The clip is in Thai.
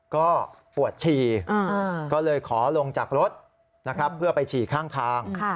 ก็ปวดฉี่ก็เลยขอลงจากรถนะครับเพื่อไปฉี่ข้างทาง